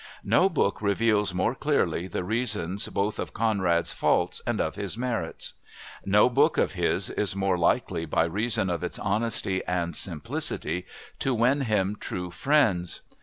No book reveals more clearly the reasons both of Conrad's faults and of his merits. No book of his is more likely by reason of its honesty and simplicity to win him true friends.